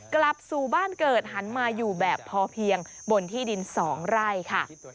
กลับสู่บ้านเกิดหันมาอยู่แบบพอเพียงบนที่ดิน๒ไร่ค่ะ